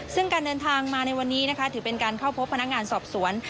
ซึ่งการเดินทางมาในวันนี้นะคะถือเป็นการเข้าพบพนักงานสอบสวน